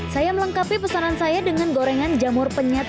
saya melengkapi pesanan saya dengan gorengan jamur penyet